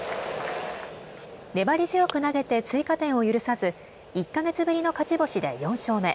粘り強く投げて追加点を許さず１か月ぶりの勝ち星で４勝目。